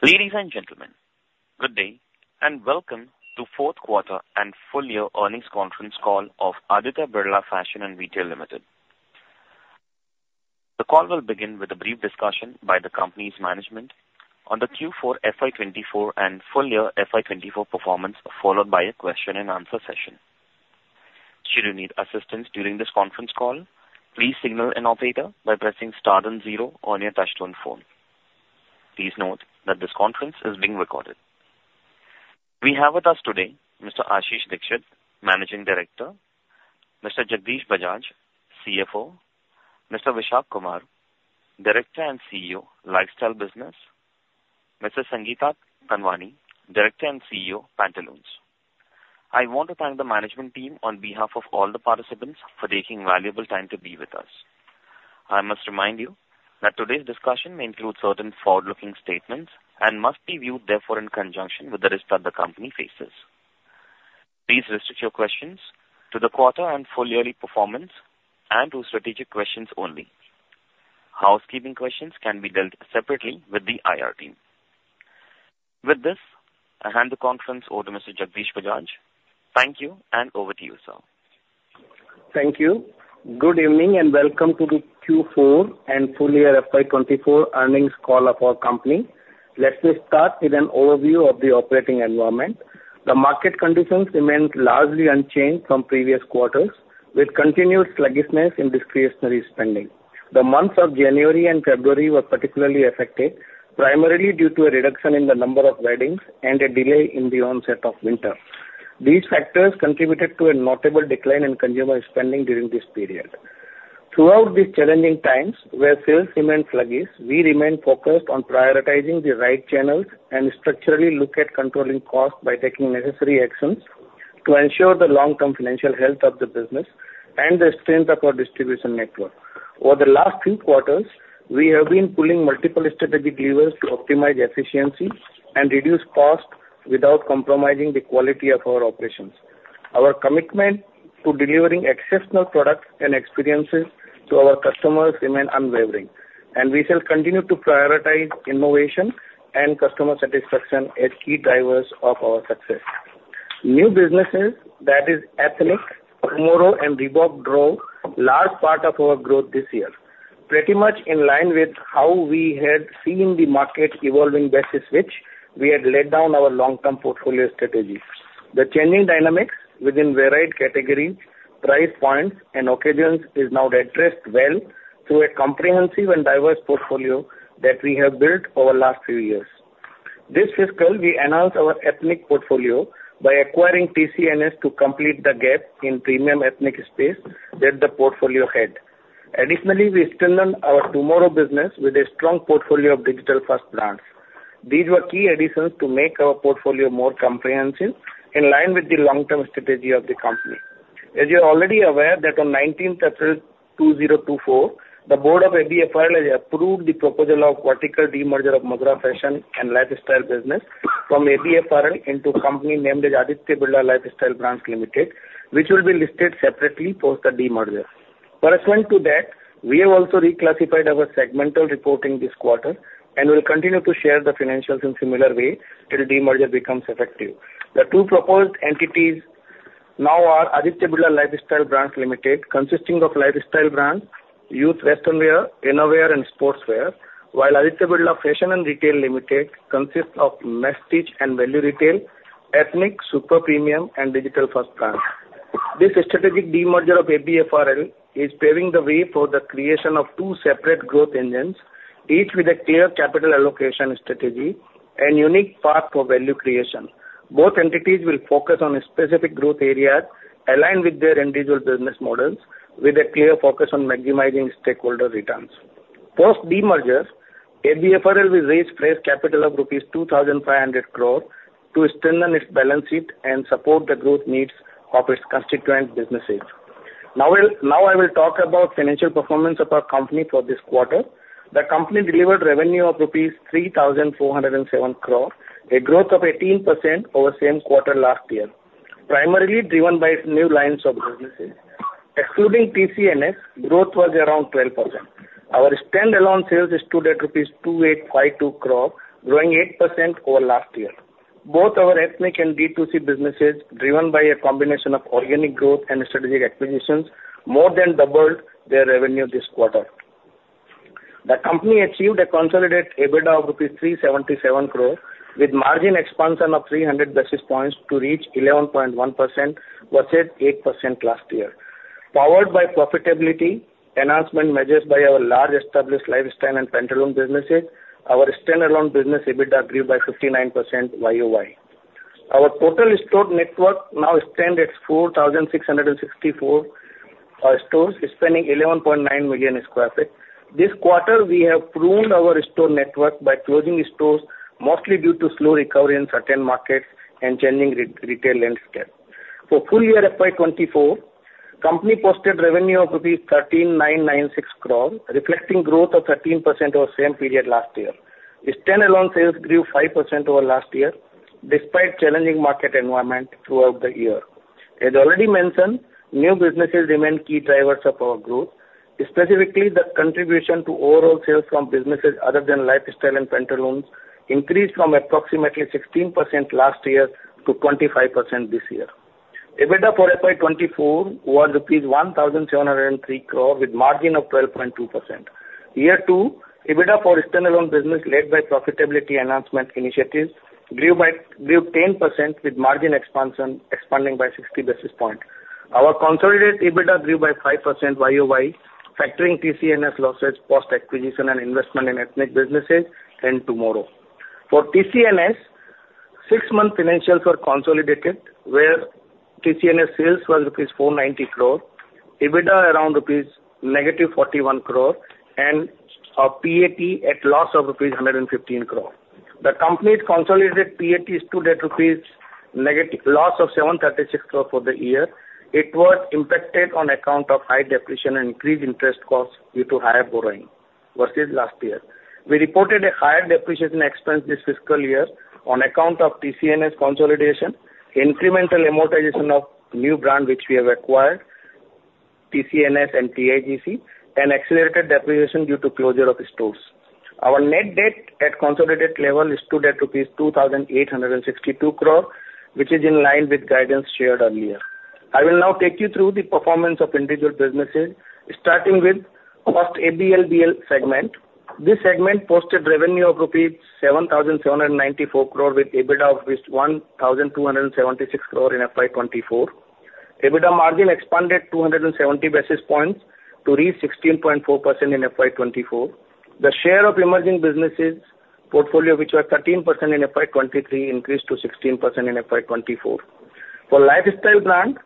Ladies and gentlemen, good day, and welcome to Fourth Quarter and Full Year Earnings Conference Call of Aditya Birla Fashion and Retail Limited. The call will begin with a brief discussion by the company's management on the Q4 FY 2024 and full year FY 2024 performance, followed by a question and answer session. Should you need assistance during this conference call, please signal an operator by pressing star then zero on your touchtone phone. Please note that this conference is being recorded. We have with us today Mr. Ashish Dikshit, Managing Director, Mr. Jagdish Bajaj, CFO, Mr. Vishak Kumar, Director and CEO, Lifestyle Business, Mrs. Sangeeta Tanwani, Director and CEO, Pantaloons. I want to thank the management team on behalf of all the participants for taking valuable time to be with us. I must remind you that today's discussion may include certain forward-looking statements and must be viewed therefore, in conjunction with the risk that the company faces. Please restrict your questions to the quarter and full yearly performance and to strategic questions only. Housekeeping questions can be dealt separately with the IR team. With this, I hand the conference over to Mr. Jagdish Bajaj. Thank you, and over to you, sir. Thank you. Good evening, and welcome to the Q4 and Full Year FY 2024 Earnings Call of our company. Let me start with an overview of the operating environment. The market conditions remained largely unchanged from previous quarters, with continued sluggishness in discretionary spending. The months of January and February were particularly affected, primarily due to a reduction in the number of weddings and a delay in the onset of winter. These factors contributed to a notable decline in consumer spending during this period. Throughout these challenging times, where sales remained sluggish, we remained focused on prioritizing the right channels and structurally look at controlling costs by taking necessary actions to ensure the long-term financial health of the business and the strength of our distribution network. Over the last few quarters, we have been pulling multiple strategic levers to optimize efficiency and reduce costs without compromising the quality of our operations. Our commitment to delivering exceptional products and experiences to our customers remain unwavering, and we shall continue to prioritize innovation and customer satisfaction as key drivers of our success. New businesses, that is Ethnic, TMRW and Reebok, drove large part of our growth this year. Pretty much in line with how we had seen the market evolving versus which we had laid down our long-term portfolio strategy. The changing dynamics within varied categories, price points and occasions is now addressed well through a comprehensive and diverse portfolio that we have built over the last few years. This fiscal, we enhanced our ethnic portfolio by acquiring TCNS to complete the gap in premium ethnic space that the portfolio had. Additionally, we strengthened our TMRW business with a strong portfolio of digital first brands. These were key additions to make our portfolio more comprehensive, in line with the long-term strategy of the company. As you are already aware, that on nineteenth April 2024, the board of ABFRL has approved the proposal of vertical demerger of Madura Fashion & Lifestyle business from ABFRL into company named as Aditya Birla Lifestyle Brands Limited, which will be listed separately post the demerger. Pursuant to that, we have also reclassified our segmental reporting this quarter and will continue to share the financials in similar way till the demerger becomes effective. The two proposed entities now are Aditya Birla Lifestyle Brands Limited, consisting of Lifestyle Brands, Youth Western Wear, Innerwear, and Sportswear, while Aditya Birla Fashion and Retail Limited consists of Masstige and Value retail, Ethnic, Super Premium, and Digital First Brands. This strategic demerger of ABFRL is paving the way for the creation of two separate growth engines, each with a clear capital allocation strategy and unique path for value creation. Both entities will focus on specific growth areas aligned with their individual business models, with a clear focus on maximizing stakeholder returns. Post demerger, ABFRL will raise fresh capital of INR 2,500 crore to strengthen its balance sheet and support the growth needs of its constituent businesses. Now I will talk about financial performance of our company for this quarter. The company delivered revenue of rupees 3,407 crore, a growth of 18% over same quarter last year, primarily driven by new lines of businesses. Excluding TCNS, growth was around 12%. Our standalone sales stood at 2,852 crore rupees, growing 8% over last year. Both our Ethnic and D2C businesses, driven by a combination of organic growth and strategic acquisitions, more than doubled their revenue this quarter. The company achieved a consolidated EBITDA of 377 crore rupees, with margin expansion of 300 basis points to reach 11.1% versus 8% last year. Powered by profitability, enhancement measures by our large established Lifestyle and Pantaloons businesses, our standalone business EBITDA grew by 59% Y-o-Y. Our total store network now stands at 4,664 stores, spanning 11.9 million sq ft. This quarter, we have pruned our store network by closing stores, mostly due to slow recovery in certain markets and changing retail landscape. For full year FY 2024, company posted revenue of INR 13,996 crore, reflecting growth of 13% over same period last year. The standalone sales grew 5% over last year, despite challenging market environment throughout the year. As already mentioned, new businesses remain key drivers of our growth. Specifically, the contribution to overall sales from businesses other than Lifestyle and Pantaloons increased from approximately 16% last year to 25% this year. EBITDA for FY 2024 was rupees 1,703 crore, with margin of 12.2%. Year two, EBITDA for standalone business, led by profitability enhancement initiatives, grew by, grew 10% with margin expansion expanding by 60 basis points. Our consolidated EBITDA grew by 5% Y-o-Y, factoring TCNS losses, post acquisition and investment in ethnic businesses and TMRW. For TCNS, six-month financials were consolidated, where TCNS sales was rupees 490 crore, EBITDA around -41 crore rupees, and our PAT at loss of rupees 115 crore. The company's consolidated PAT stood at a loss of 736 crore for the year. It was impacted on account of high depreciation and increased interest costs due to higher borrowing versus last year. We reported a higher depreciation expense this fiscal year on account of TCNS consolidation, incremental amortization of new brand which we have acquired, TCNS and TIGC, and accelerated depreciation due to closure of stores. Our net debt at consolidated level stood at rupees 2,862 crore, which is in line with guidance shared earlier. I will now take you through the performance of individual businesses, starting with first ABFRL segment. This segment posted revenue of rupees 7,794 crore, with EBITDA of rupees 1,276 crore in FY 2024. EBITDA margin expanded 270 basis points to reach 16.4% in FY 2024. The share of emerging businesses portfolio, which were 13% in FY 2023, increased to 16% in FY 2024. For Lifestyle brand,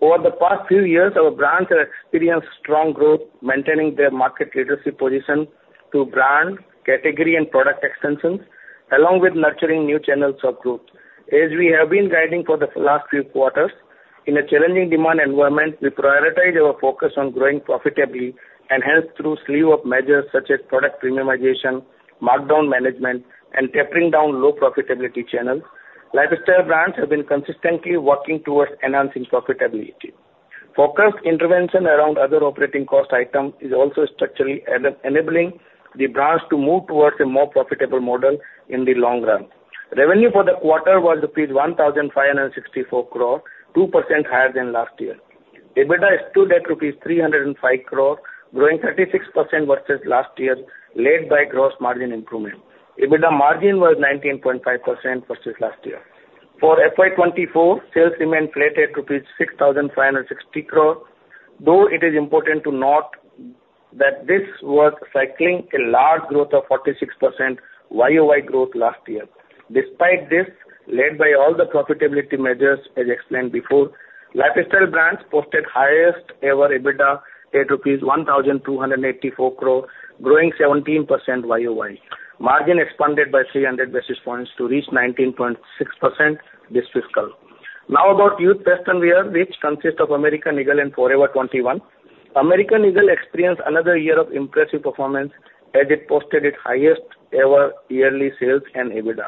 over the past few years, our brands have experienced strong growth, maintaining their market leadership position through brand, category and product extensions, along with nurturing new channels of growth. As we have been guiding for the last few quarters, in a challenging demand environment, we prioritize our focus on growing profitably, and hence through slew of measures such as product premiumization, markdown management, and tapering down low profitability channels, Lifestyle brands have been consistently working towards enhancing profitability. Focused intervention around other operating cost items is also structurally enabling the brands to move towards a more profitable model in the long run. Revenue for the quarter was rupees 1,564 crore, 2% higher than last year. EBITDA stood at rupees 305 crore, growing 36% versus last year, led by gross margin improvement. EBITDA margin was 19.5% versus last year. For FY 2024, sales remained flat at rupees 6,560 crore, though it is important to note that this was cycling a large growth of 46% Y-o-Y last year. Despite this, led by all the profitability measures, as explained before, Lifestyle brands posted highest ever EBITDA at rupees 1,284 crore, growing 17% Y-o-Y. Margin expanded by 300 basis points to reach 19.6% this fiscal. Now, about youth western wear, which consists of American Eagle and Forever 21. American Eagle experienced another year of impressive performance as it posted its highest ever yearly sales and EBITDA.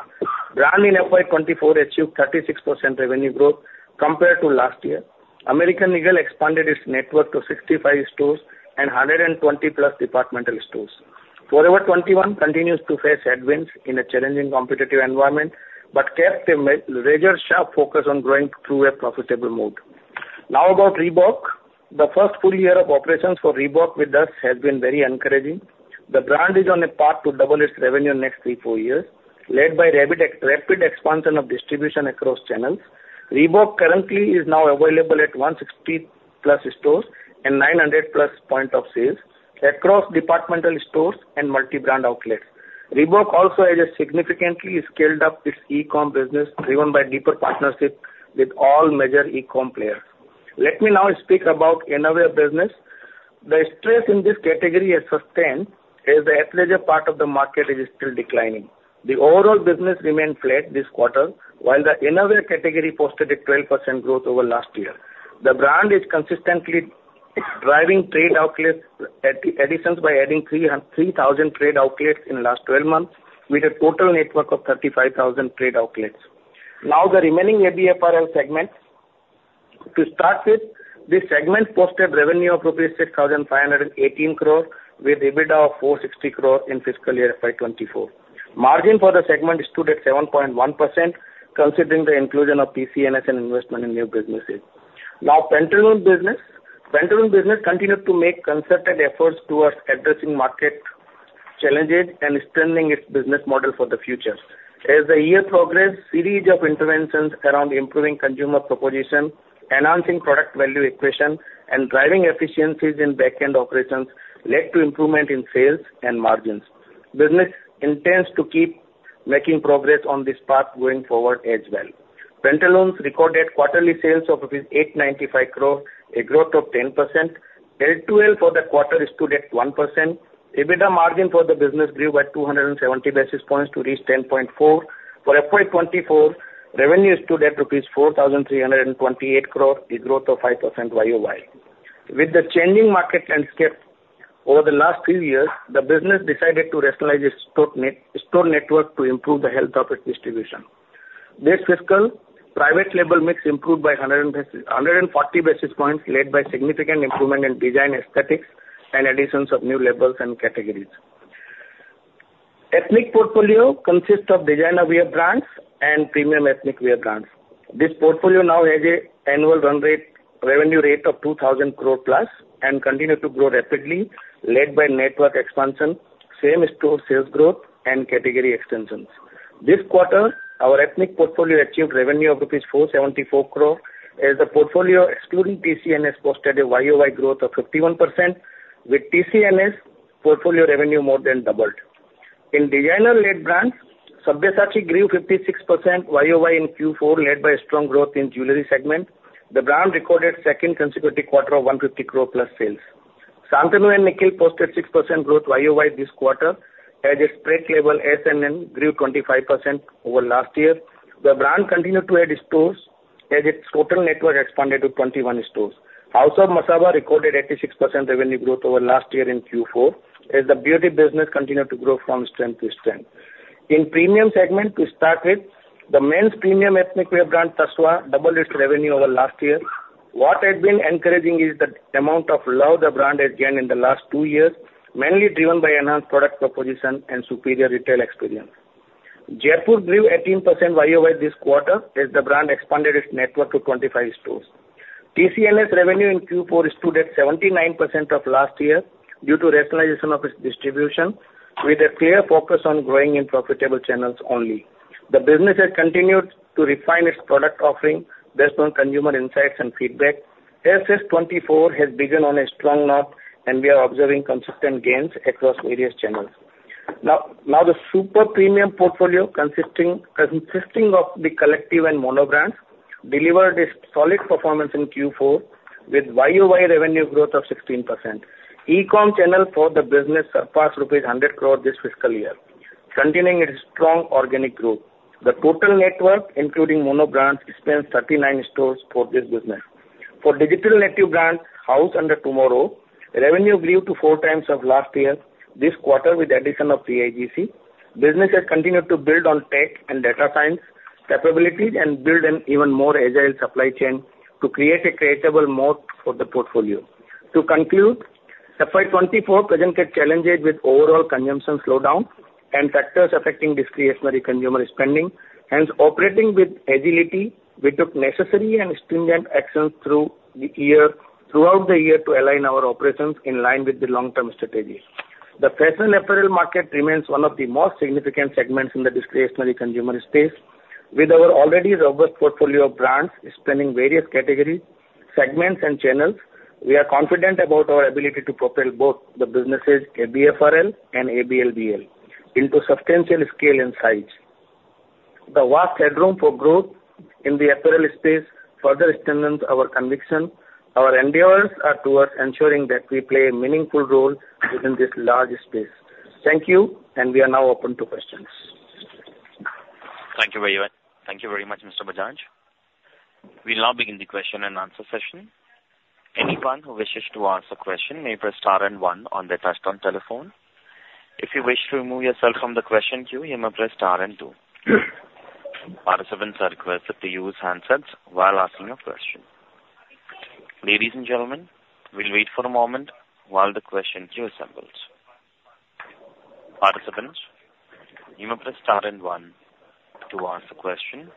Brand in FY 2024 achieved 36% revenue growth compared to last year. American Eagle expanded its network to 65 stores and 120+ department stores. Forever 21 continues to face headwinds in a challenging competitive environment, but kept a razor-sharp focus on growing through a profitable mode. Now about Reebok. The first full year of operations for Reebok with us has been very encouraging. The brand is on a path to double its revenue in next three, four years, led by rapid expansion of distribution across channels. Reebok currently is now available at 160+ stores and 900+ points of sale across departmental stores and multi-brand outlets. Reebok also has significantly scaled up its e-com business, driven by deeper partnerships with all major e-com players. Let me now speak about innerwear business. The stress in this category has sustained, as the athleisure part of the market is still declining. The overall business remained flat this quarter, while the Innerwear category posted a 12% growth over last year. The brand is consistently driving trade outlets at additions by adding 3,000 trade outlets in last 12 months, with a total network of 35,000 trade outlets. Now, the remaining ABFRL segment. To start with, this segment posted revenue of rupees 6,518 crore, with EBITDA of 460 crore in fiscal year FY 2024. Margin for the segment stood at 7.1%, considering the inclusion of TCNS and investment in new businesses. Now, Pantaloons business. Pantaloons business continued to make concerted efforts towards addressing market challenges and strengthening its business model for the future. As the year progressed, series of interventions around improving consumer proposition, enhancing product value equation, and driving efficiencies in back-end operations led to improvement in sales and margins. Business intends to keep making progress on this path going forward as well. Pantaloons recorded quarterly sales of INR 895 crore, a growth of 10%. L2L for the quarter stood at 1%. EBITDA margin for the business grew by 270 basis points to reach 10.4. For FY 2024, revenue stood at rupees 4,328 crore, a growth of 5% Y-o-Y. With the changing market landscape...... Over the last few years, the business decided to rationalize its store net, store network to improve the health of its distribution. This fiscal, private label mix improved by 140 basis points, led by significant improvement in design aesthetics and additions of new labels and categories. Ethnic portfolio consists of designer wear brands and premium ethnic wear brands. This portfolio now has an annual run rate, revenue rate of 2,000 crore plus, and continues to grow rapidly, led by network expansion, same store sales growth, and category extensions. This quarter, our ethnic portfolio achieved revenue of 474 crore rupees, as the portfolio, excluding TCNS, posted a Y-o-Y growth of 51%, with TCNS portfolio revenue more than doubled. In designer-led brands, Sabyasachi grew 56% Y-o-Y in Q4, led by strong growth in jewelry segment. The brand recorded second consecutive quarter of 150 crore plus sales. Shantanu & Nikhil posted 6% growth Y-o-Y this quarter, as its private label S&N grew 25% over last year. The brand continued to add stores, as its total network expanded to 21 stores. House of Masaba recorded 86% revenue growth over last year in Q4, as the beauty business continued to grow from strength to strength. In premium segment, to start with, the men's premium ethnic wear brand, Tasva, doubled its revenue over last year. What has been encouraging is the amount of love the brand has gained in the last two years, mainly driven by enhanced product proposition and superior retail experience. Jaypore grew 18% Y-o-Y this quarter, as the brand expanded its network to 25 stores. TCNS revenue in Q4 stood at 79% of last year due to rationalization of its distribution, with a clear focus on growing in profitable channels only. The business has continued to refine its product offering based on consumer insights and feedback. SS 2024 has begun on a strong note, and we are observing consistent gains across various channels. Now the Super Premium portfolio, consisting of The Collective and Mono brands, delivered a solid performance in Q4, with Y-o-Y revenue growth of 16%. E-com channel for the business surpassed rupees 100 crore this fiscal year, continuing its strong organic growth. The total network, including mono brands, spans 39 stores for this business. For digital native brand, housed under TMWR, revenue grew to 4x of last year. This quarter, with the addition of TIGC, business has continued to build on tech and data science capabilities and build an even more agile supply chain to create a moat for the portfolio. To conclude, FY 2024 presented challenges with overall consumption slowdown and factors affecting discretionary consumer spending. Hence, operating with agility, we took necessary and stringent actions throughout the year to align our operations in line with the long-term strategy. The fashion apparel market remains one of the most significant segments in the discretionary consumer space. With our already robust portfolio of brands spanning various categories, segments, and channels, we are confident about our ability to propel both the businesses, ABFRL and ABLBL, into substantial scale and size. The vast headroom for growth in the apparel space further strengthens our conviction. Our endeavors are towards ensuring that we play a meaningful role within this large space. Thank you, and we are now open to questions. Thank you very much. Thank you very much, Mr. Bajaj. We'll now begin the question and answer session. Anyone who wishes to ask a question may press star and one on their touchtone telephone. If you wish to remove yourself from the question queue, you may press star and two. Participants are requested to use handsets while asking a question. Ladies and gentlemen, we'll wait for a moment while the question queue assembles. Participants, you may press star and one to ask a question.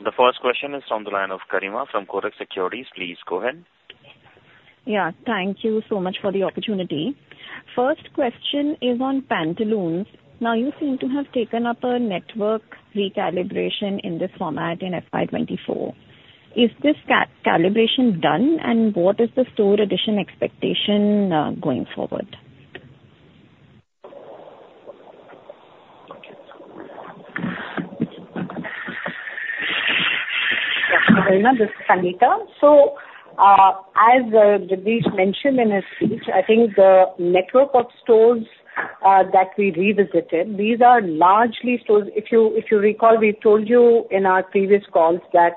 The first question is on the line of Garima from Kotak Securities. Please go ahead. Yeah, thank you so much for the opportunity. First question is on Pantaloons. Now, you seem to have taken up a network recalibration in this format in FY 2024. Is this calibration done, and what is the store addition expectation, going forward? Yeah, Garima, this is Sangeeta. So, as Jagdish mentioned in his speech, I think the network of stores that we revisited, these are largely stores. If you recall, we told you in our previous calls that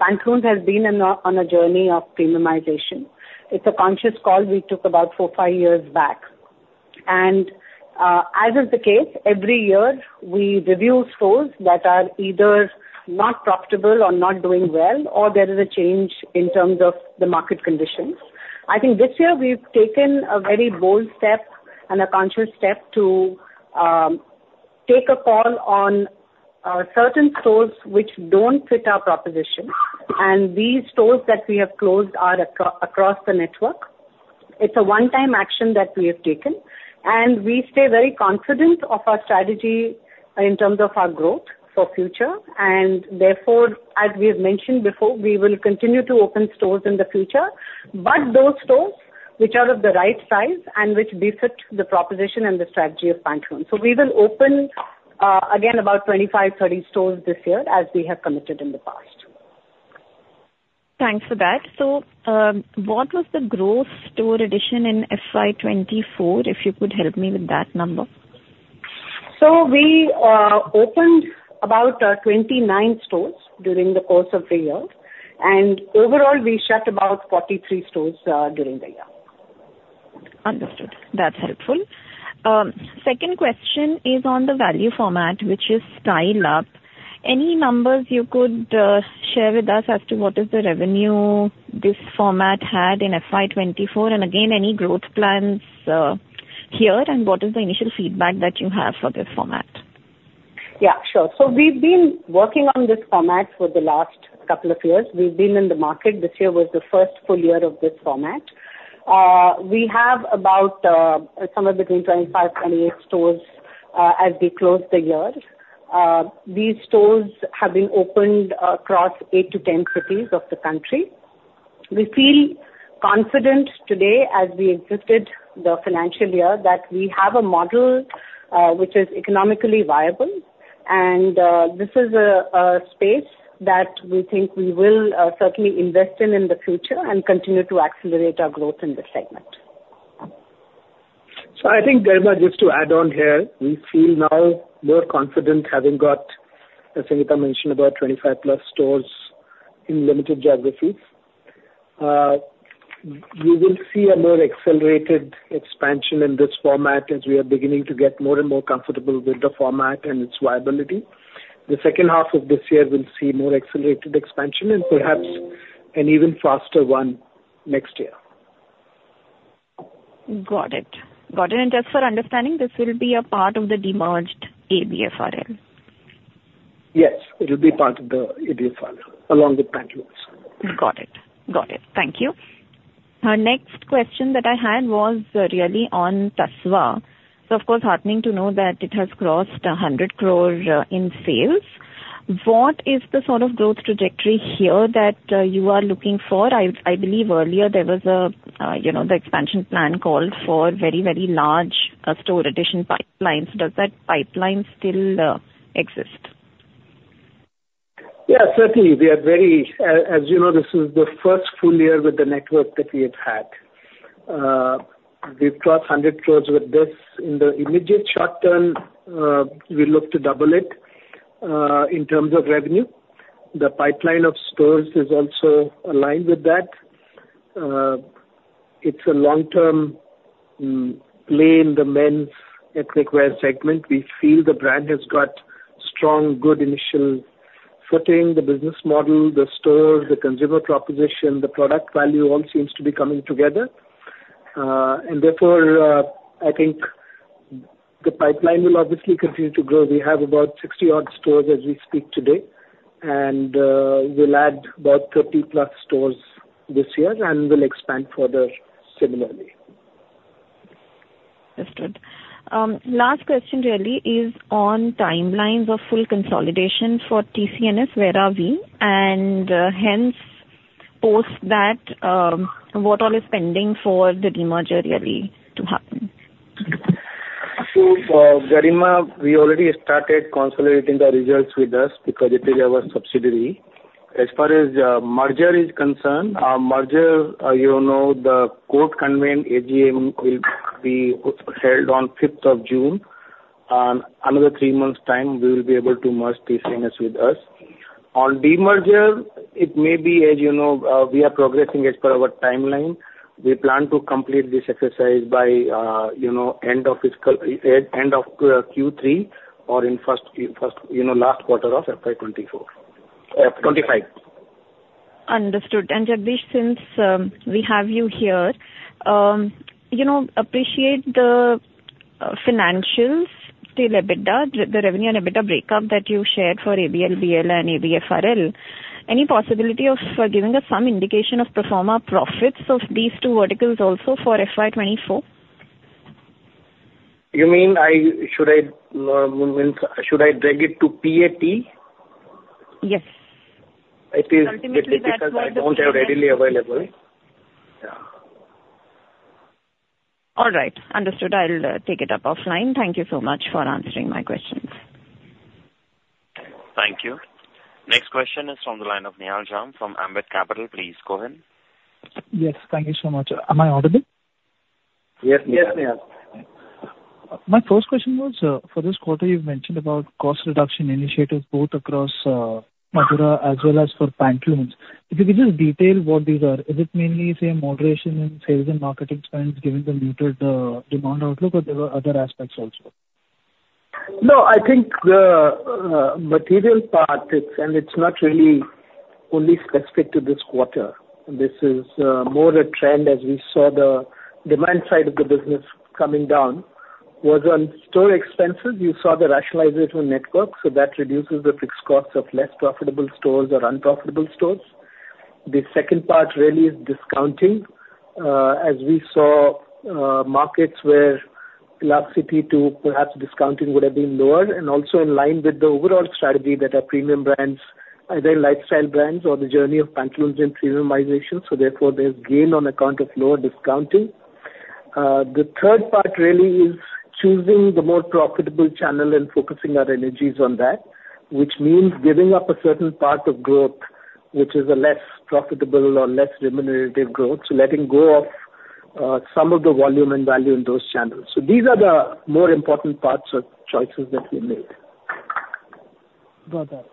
Pantaloons has been on a journey of premiumization. It's a conscious call we took about four, five years back. And, as is the case, every year, we review stores that are either not profitable or not doing well, or there is a change in terms of the market conditions. I think this year we've taken a very bold step and a conscious step to take a call on certain stores which don't fit our proposition, and these stores that we have closed are across the network. It's a one-time action that we have taken, and we stay very confident of our strategy in terms of our growth for future. Therefore, as we have mentioned before, we will continue to open stores in the future, but those stores which are of the right size and which befit the proposition and the strategy of Pantaloons. So we will open, again, about 25,30 stores this year, as we have committed in the past. Thanks for that. So, what was the gross store addition in FY 2024, if you could help me with that number? ...So we opened about 29 stores during the course of the year, and overall, we shut about 43 stores during the year. Understood. That's helpful. Second question is on the value format, which is Style Up. Any numbers you could share with us as to what is the revenue this format had in FY 2024? And again, any growth plans here, and what is the initial feedback that you have for this format? Yeah, sure. So we've been working on this format for the last couple of years. We've been in the market. This year was the first full year of this format. We have about, somewhere between 25,28 stores, as we close the year. These stores have been opened across 8-10 cities of the country. We feel confident today as we exited the financial year, that we have a model, which is economically viable, and, this is a, a space that we think we will, certainly invest in in the future and continue to accelerate our growth in this segment. I think, Garima, just to add on here, we feel now more confident having got, as Sangeeta mentioned, about 25+ stores in limited geographies. You will see a more accelerated expansion in this format as we are beginning to get more and more comfortable with the format and its viability. The second half of this year will see more accelerated expansion and perhaps an even faster one next year. Got it. Got it, and just for understanding, this will be a part of the demerged ABFRL? Yes, it will be part of the ABFRL, along with Pantaloons. Got it. Got it. Thank you. Our next question that I had was really on Tasva. So of course, heartening to know that it has crossed 100 crore in sales. What is the sort of growth trajectory here that you are looking for? I, I believe earlier there was a you know, the expansion plan called for very, very large store addition pipelines. Does that pipeline still exist? Yeah, certainly. We are very... As you know, this is the first full year with the network that we have had. We've crossed 100 crore with this. In the immediate short term, we look to double it, in terms of revenue. The pipeline of stores is also aligned with that. It's a long-term play in the men's ethnic wear segment. We feel the brand has got strong, good initial footing, the business model, the stores, the consumer proposition, the product value all seems to be coming together. And therefore, I think the pipeline will obviously continue to grow. We have about 60-odd stores as we speak today, and, we'll add about 30+ stores this year, and we'll expand further similarly. Understood. Last question really is on timelines of full consolidation for TCNS, where are we? And, hence, post that, what all is pending for the demerger really to happen? So, Garima, we already started consolidating the results with us because it is our subsidiary. As far as merger is concerned, our merger, you know, the court-convened AGM will be held on 5th of June. On another three months' time, we will be able to merge TCNS with us. On demerger, it may be, as you know, we are progressing as per our timeline. We plan to complete this exercise by, you know, end of fiscal, end of Q3 or in first, you know, last quarter of FY 2024, 2025. Understood. And Jagdish, since we have you here, you know, appreciate the financials, the EBITDA, the revenue and EBITDA breakup that you shared for ABLBL and ABFRL. Any possibility of giving us some indication of pro forma profits of these two verticals also for FY 2024? You mean I... should I drag it to PAT? Yes. It is difficult. Ultimately, that's what- I don't have readily available. Yeah. All right. Understood. I'll take it up offline. Thank you so much for answering my questions. Thank you. Next question is from the line of Nihal Jham from Ambit Capital. Please go ahead. Yes, thank you so much. Am I audible? Yes, Nihal Yes, Niall. My first question was, for this quarter, you've mentioned about cost reduction initiatives, both across, Madura as well as for Pantaloons. If you could just detail what these are, is it mainly, say, moderation in sales and marketing spends, given the muted, demand outlook, or there were other aspects also? No, I think the material part, it's. And it's not really only specific to this quarter. This is more a trend as we saw the demand side of the business coming down, was on store expenses, you saw the rationalization network, so that reduces the fixed costs of less profitable stores or unprofitable stores. The second part really is discounting. As we saw, markets where elasticity to perhaps discounting would have been lower and also in line with the overall strategy that our premium brands, either lifestyle brands or the journey of Pantaloons and premiumization, so therefore there's gain on account of lower discounting. The third part really is choosing the more profitable channel and focusing our energies on that, which means giving up a certain part of growth, which is a less profitable or less remunerative growth, so letting go of-... Some of the volume and value in those channels. These are the more important parts or choices that we made. Got that.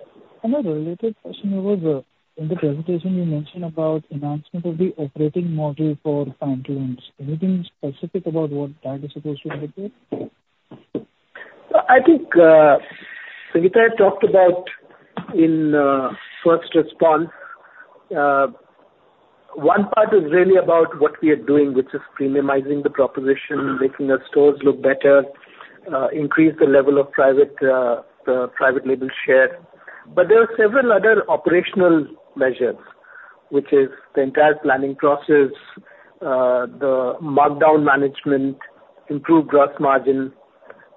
And a related question was, in the presentation you mentioned about enhancement of the operating model for Pantaloons. Anything specific about what that is supposed to help with? I think Sangeeta had talked about in first response one part is really about what we are doing, which is premiumizing the proposition, making our stores look better, increase the level of private, the private label share. But there are several other operational measures, which is the entire planning process, the markdown management, improved gross margin.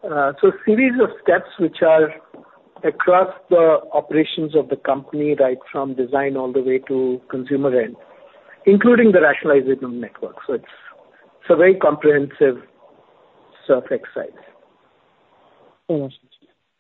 So series of steps which are across the operations of the company, right from design all the way to consumer end, including the rationalization of network. So it's, it's a very comprehensive supply side.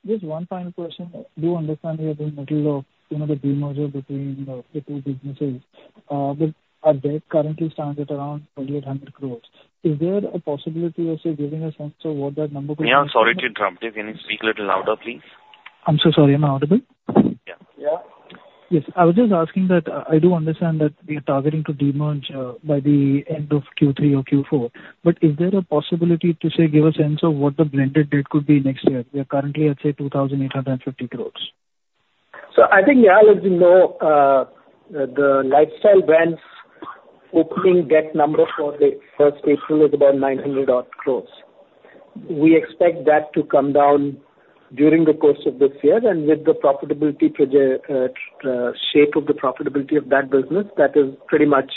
Just one final question. Do you understand you're in the middle of, you know, the demerger between the two businesses. But our debt currently stands at around 2,800 crore. Is there a possibility of say, giving a sense of what that number- Nihal, sorry to interrupt you. Can you speak a little louder, please? I'm so sorry. Am I audible? Yeah. Yeah. Yes, I was just asking that, I do understand that we are targeting to demerge, by the end of Q3 or Q4, but is there a possibility to, say, give a sense of what the blended debt could be next year? We are currently at, say, 2,850 crores. So I think, Nihal, as you know, the Lifestyle brands opening debt number for 1st April is about 900 crores. We expect that to come down during the course of this year, and with the shape of the profitability of that business, that is pretty much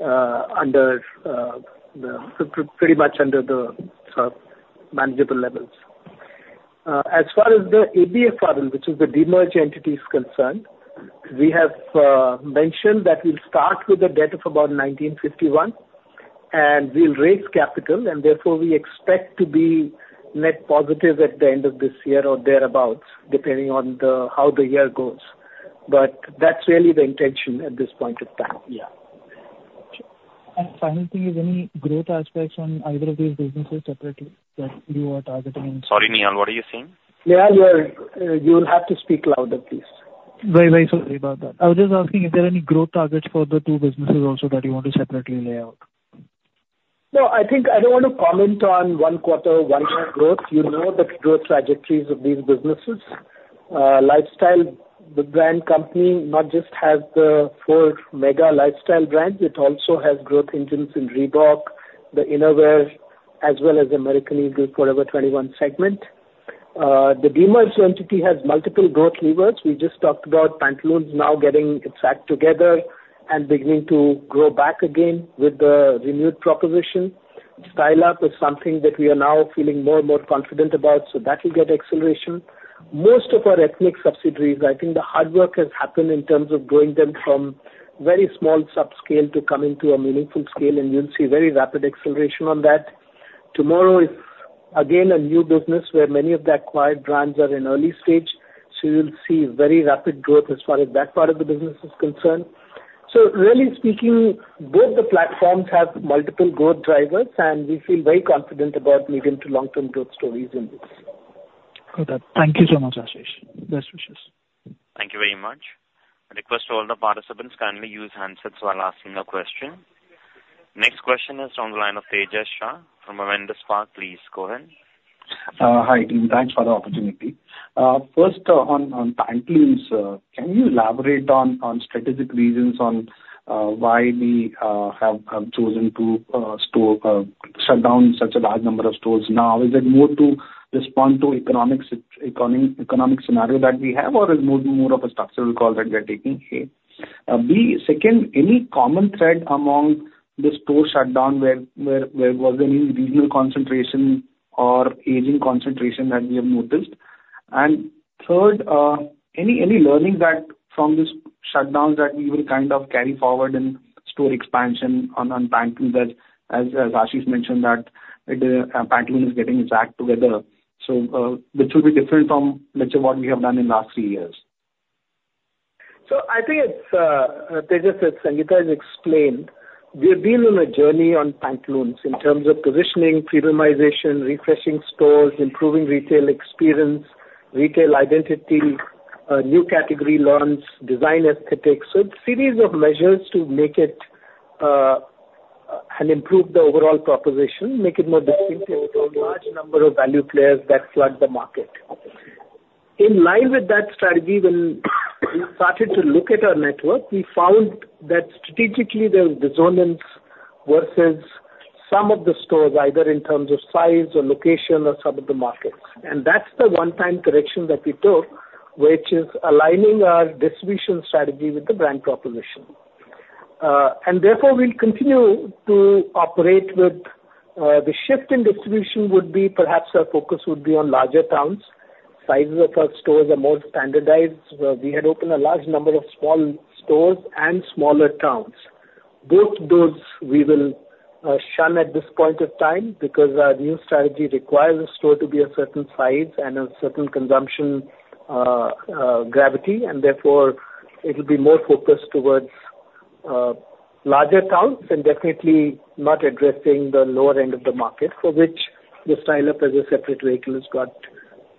under the manageable levels. As far as the ABFRL, which is the demerged entity, is concerned, we have mentioned that we'll start with a debt of about 1,951 crores, and we'll raise capital, and therefore we expect to be net positive at the end of this year or thereabout, depending on how the year goes. But that's really the intention at this point in time. Yeah. Final thing, is any growth aspects on either of these businesses separately that you are targeting? Sorry, Nihal, what are you saying? Nihal, you are... You will have to speak louder, please. Very, very sorry about that. I was just asking, is there any growth targets for the two businesses also that you want to separately lay out? No, I think I don't want to comment on one quarter, one year growth. You know the growth trajectories of these businesses. Lifestyle, the brand company, not just has the four mega Lifestyle brands, it also has growth engines in Reebok, the innerwear, as well as the American Eagle Forever 21 segment. The demerged entity has multiple growth levers. We just talked about Pantaloons now getting its act together and beginning to grow back again with the renewed proposition. Style Up is something that we are now feeling more and more confident about, so that will get acceleration. Most of our ethnic subsidiaries, I think the hard work has happened in terms of growing them from very small subscale to coming to a meaningful scale, and you'll see very rapid acceleration on that. TMRW is again a new business where many of the acquired brands are in early stage, so you'll see very rapid growth as far as that part of the business is concerned. So really speaking, both the platforms have multiple growth drivers, and we feel very confident about medium- to long-term growth stories in this. Got that. Thank you so much, Ashish. Best wishes. Thank you very much. I request all the participants, kindly use handsets while asking a question. Next question is on the line of Tejas Shah from Avendus Spark. Please go ahead. Hi, team. Thanks for the opportunity. First, on Pantaloons, can you elaborate on strategic reasons on why we have chosen to shut down such a large number of stores now? Is it more to respond to economic scenario that we have, or is more of a structural call that we are taking? A. B. Second, any common thread among this store shutdown, where was any regional concentration or aging concentration that we have noticed? And third, any learnings that from this shutdown that we will kind of carry forward in store expansion on Pantaloons, as Ashish mentioned, that the Pantaloons is getting its act together, so which will be different from literally what we have done in last few years? So I think it's Tejas, as Sangeeta has explained, we've been on a journey on Pantaloons in terms of positioning, premiumization, refreshing stores, improving retail experience, retail identity, new category loans, design aesthetics. So a series of measures to make it and improve the overall proposition, make it more distinctive from large number of value players that flood the market. In line with that strategy, when we started to look at our network, we found that strategically there was dissonance versus some of the stores, either in terms of size or location or some of the markets. And that's the one-time correction that we took, which is aligning our distribution strategy with the brand proposition. And therefore, we'll continue to operate with, the shift in distribution would be perhaps our focus would be on larger towns. Sizes of our stores are more standardized. We had opened a large number of small stores and smaller towns. Both those we will shun at this point of time because our new strategy requires a store to be a certain size and a certain consumption gravity, and therefore it'll be more focused towards larger counts and definitely not addressing the lower end of the market, for which the Style Up as a separate vehicle has got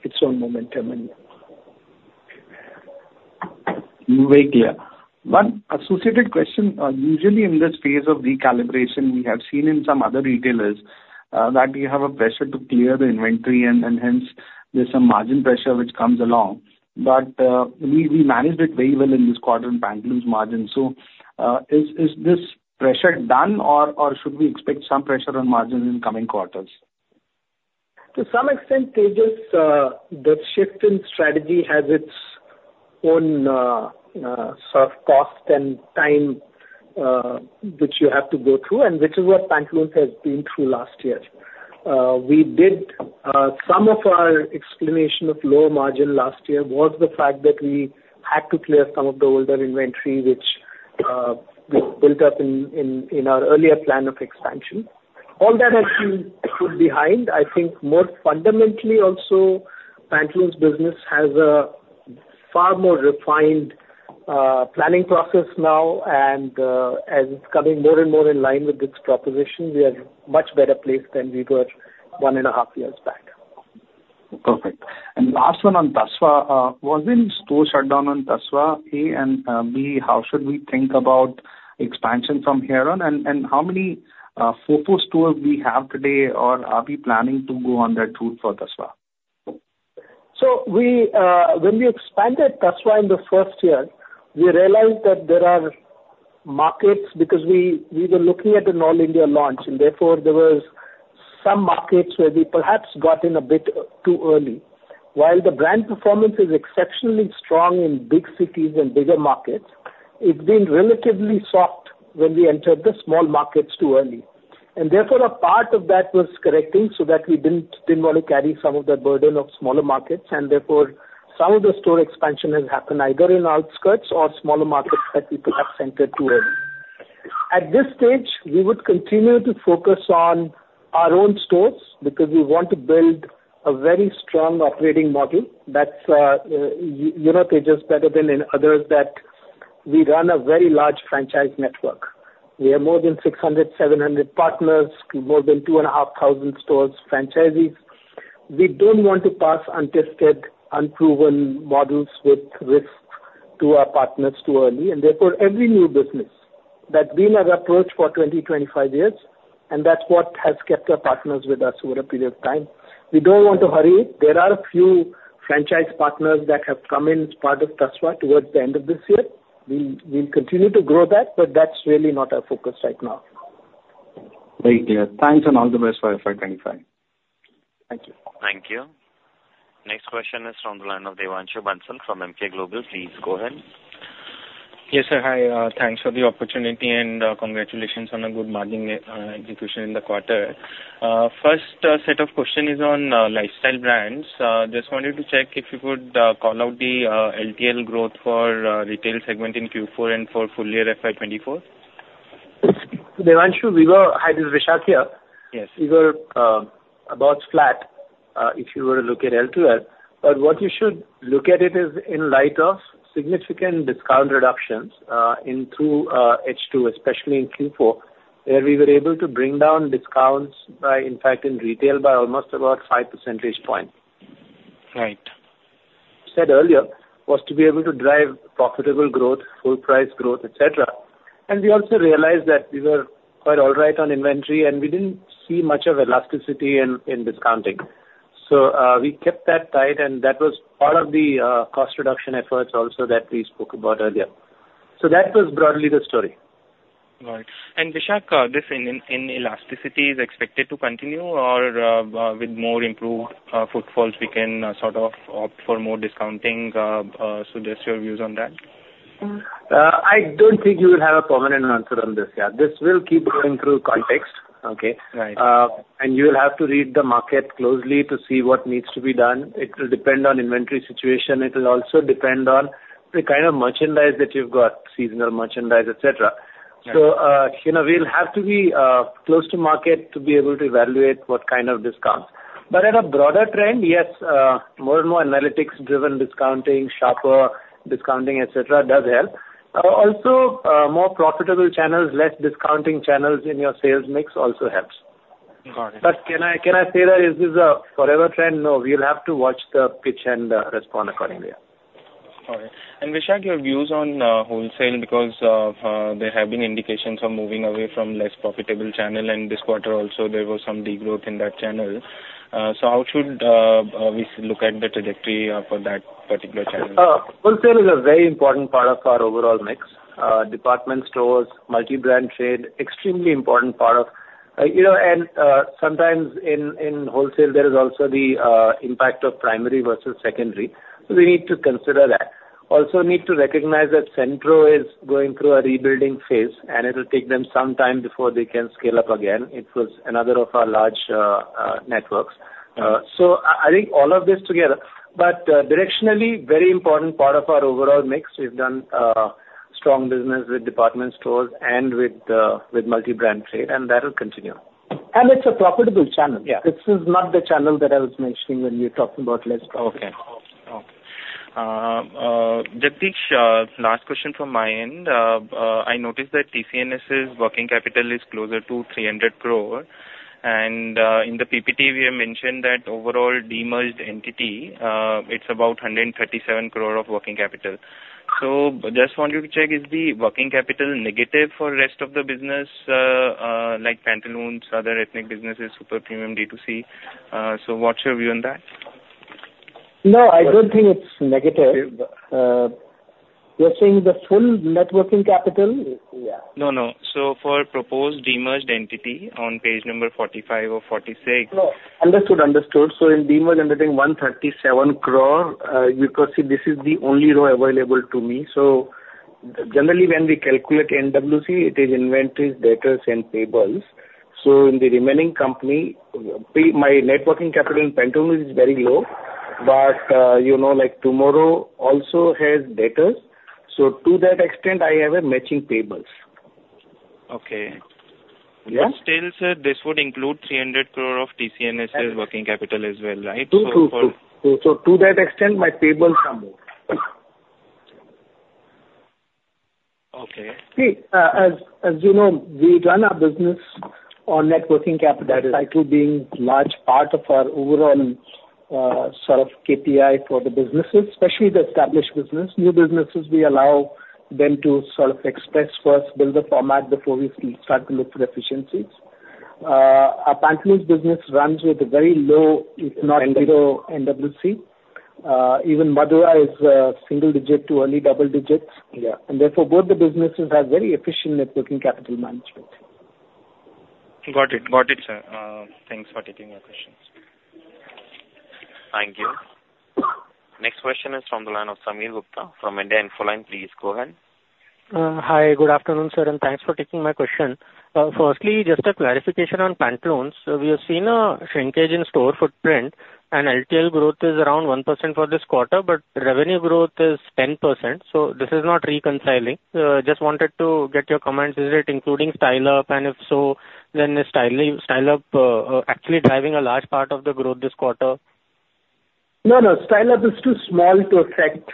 its own momentum and. Very clear. One associated question. Usually in this phase of recalibration, we have seen in some other retailers that you have a pressure to clear the inventory, and hence there's some margin pressure which comes along. But we managed it very well in this quarter in Pantaloons margin. So, is this pressure done, or should we expect some pressure on margin in coming quarters? To some extent, Tejas, the shift in strategy has its own, sort of cost and time, which you have to go through, and which is what Pantaloons has been through last year. We did, some of our explanation of lower margin last year was the fact that we had to clear some of the older inventory, which, we built up in our earlier plan of expansion. All that has been put behind. I think more fundamentally also, Pantaloons business has a far more refined, planning process now, and, as it's coming more and more in line with this proposition, we are much better placed than we were one and a half years back. Perfect. And last one on Tasva. Was in-store shutdown on Tasva A, and B, how should we think about expansion from here on? And how many focal stores we have today, or are we planning to go on that route for Tasva? So we, when we expanded Tasva in the first year, we realized that there are markets, because we were looking at an all India launch, and therefore, there was some markets where we perhaps got in a bit too early. While the brand performance is exceptionally strong in big cities and bigger markets, it's been relatively soft when we entered the small markets too early. And therefore, a part of that was correcting so that we didn't want to carry some of the burden of smaller markets, and therefore, some of the store expansion has happened either in outskirts or smaller markets that we perhaps entered too early. At this stage, we would continue to focus on our own stores because we want to build a very strong operating model. That's, you know, Tejas, better than in others, that we run a very large franchise network. We have more than 600,700 partners, more than 2,500 stores, franchisees. We don't want to pass untested, unproven models with risk to our partners too early, and therefore, every new business that we may approach for 20,25 years, and that's what has kept our partners with us over a period of time. We don't want to hurry. There are a few franchise partners that have come in as part of Tasva towards the end of this year. We'll continue to grow that, but that's really not our focus right now. Very clear. Thanks and all the best for FY 2025. Thank you. Thank you. Next question is from the line of Devanshu Bansal from Emkay Global. Please go ahead. Yes, sir. Hi, thanks for the opportunity, and, congratulations on a good margin execution in the quarter. First, set of question is on, lifestyle brands. Just wanted to check if you could, call out the, LTL growth for, retail segment in Q4 and for full year FY 2024. Devanshu, hi, this is Vishak here. Yes. We were about flat if you were to look at LTL. But what you should look at it is in light of significant discount reductions in H2, especially in Q4, where we were able to bring down discounts by, in fact, in retail by almost about 5 percentage points. Right. Said earlier, was to be able to drive profitable growth, full price growth, et cetera. And we also realized that we were quite all right on inventory, and we didn't see much of elasticity in discounting. So, we kept that tight, and that was part of the cost reduction efforts also that we spoke about earlier. So that was broadly the story. Got it. And, Vishak, this inelasticity is expected to continue or, with more improved footfalls, we can sort of opt for more discounting? So just your views on that. I don't think you will have a permanent answer on this, yeah. This will keep going through context. Okay? Right. You will have to read the market closely to see what needs to be done. It will depend on inventory situation. It will also depend on the kind of merchandise that you've got, seasonal merchandise, et cetera. Right. So, you know, we'll have to be close to market to be able to evaluate what kind of discounts. But at a broader trend, yes, more and more analytics-driven discounting, sharper discounting, et cetera, does help. Also, more profitable channels, less discounting channels in your sales mix also helps. Got it. But can I, can I say that is this a forever trend? No, we'll have to watch the pitch and respond accordingly. All right. And, Vishak, your views on wholesale, because there have been indications of moving away from less profitable channel, and this quarter also, there was some degrowth in that channel. So how should we look at the trajectory for that particular channel? Wholesale is a very important part of our overall mix. Department stores, multi-brand trade, extremely important part of... You know, and, sometimes in, in wholesale, there is also the impact of primary versus secondary, so we need to consider that. Also, need to recognize that Centro is going through a rebuilding phase, and it will take them some time before they can scale up again. It was another of our large networks. Right. So I think all of this together, but directionally, very important part of our overall mix. We've done strong business with department stores and with multi-brand trade, and that'll continue. And it's a profitable channel. Yeah. This is not the channel that I was mentioning when you were talking about less profitable. Okay. Okay. Jagdish, last question from my end. I noticed that TCNS' working capital is closer to 300 crore, and in the PPT, we have mentioned that overall de-merged entity, it's about 137 crore of working capital. So just want you to check, is the working capital negative for rest of the business, like Pantaloons, other ethnic businesses, super premium D2C? So what's your view on that? No, I don't think it's negative. You're saying the full Net Working Capital? Yeah. No, no. So for proposed demerged entity on page number 45 or 46. No. Understood. Understood. So in demerging, 137 crore, because, see, this is the only row available to me. So generally, when we calculate NWC, it is inventories, debtors, and payables. So in the remaining company, my net working capital in Pantaloons is very low, but, you know, like, TMRW also has debtors. So to that extent, I have a matching payables. Okay. Yeah. Still, sir, this would include 300 crore of TCNS' working capital as well, right? True, true, true. So to that extent, my payables are more. Okay. See, as you know, we run our business on Net Working Capital- Right. Cycle being large part of our overall, sort of KPI for the businesses, especially the established business. New businesses, we allow them to sort of express first, build a format before we start to look for efficiencies. Our Pantaloons business runs with a very low, if not zero, NWC. Even Madura is, single digit to early double digits. Yeah. Therefore, both the businesses have very efficient Net Working Capital management. Got it. Got it, sir. Thanks for taking my questions. Thank you. Next question is from the line of Sameer Gupta from IIFL Securities. Please go ahead. Hi, good afternoon, sir, and thanks for taking my question. Firstly, just a clarification on Pantaloons. We have seen a shrinkage in store footprint, and LTL growth is around 1% for this quarter, but revenue growth is 10%, so this is not reconciling. Just wanted to get your comments. Is it including Style Up, and if so, then is Style Up actually driving a large part of the growth this quarter? No, no. Style Up is too small to affect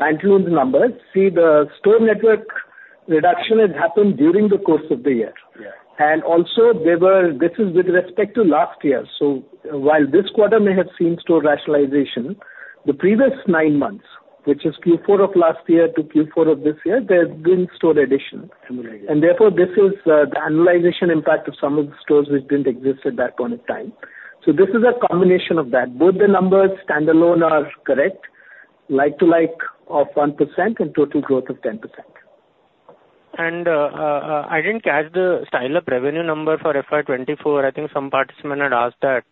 Pantaloons' numbers. See, the store network reduction has happened during the course of the year. Yeah. And also, there were... This is with respect to last year. So while this quarter may have seen store rationalization, the previous nine months, which is Q4 of last year to Q4 of this year, there's been store addition. Annualization. And therefore, this is the annualization impact of some of the stores which didn't exist at that point in time. So this is a combination of that. Both the numbers standalone are correct, like to like of 1% and total growth of 10%. I didn't catch the Style Up revenue number for FY 2024. I think some participant had asked that.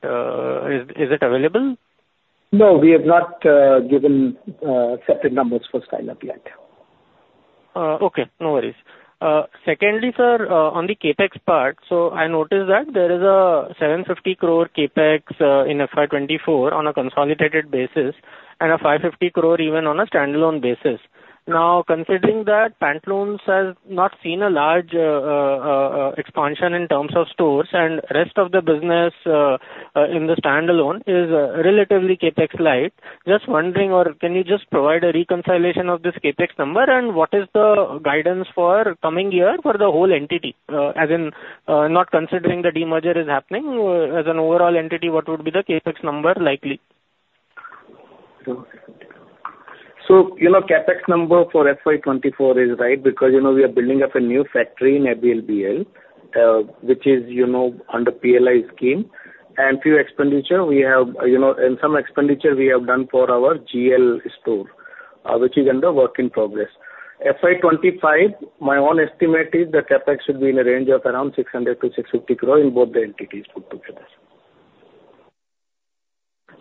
Is it available? No, we have not given separate numbers for Style Up yet. Okay. No worries. Secondly, sir, on the CapEx part, so I noticed that there is a 750 crore CapEx in FY 2024 on a consolidated basis and a 550 crore even on a standalone basis. Now, considering that Pantaloons has not seen a large expansion in terms of stores and rest of the business in the standalone is relatively CapEx light, just wondering or can you just provide a reconciliation of this CapEx number? And what is the guidance for coming year for the whole entity? As in, not considering the de-merger is happening, as an overall entity, what would be the CapEx number likely? So, you know, CapEx number for FY 2024 is right because, you know, we are building up a new factory in ABLBL, which is, you know, under PLI scheme and few expenditure we have, you know, and some expenditure we have done for our GL store, which is under work in progress. FY 2025, my own estimate is that CapEx should be in a range of around 600-650 crore in both the entities put together.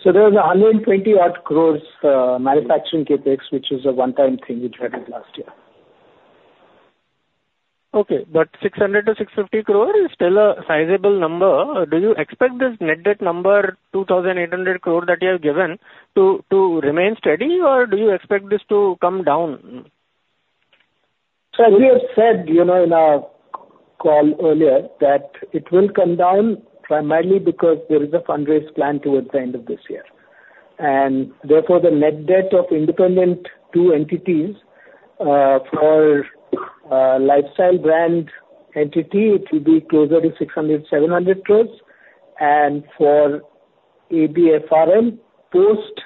So there is a hundred and twenty-odd crores, manufacturing CapEx, which is a one-time thing we did last year. Okay, but 600 crore-650 crore is still a sizable number. Do you expect this net debt number, 2,800 crore, that you have given, to remain steady, or do you expect this to come down? We have said, you know, in our call earlier that it will come down primarily because there is a fundraise plan towards the end of this year, and therefore, the net debt of independent two entities, for, lifestyle brand entity, it will be closer to 600 crore-700 crore, and for ABFRL, post,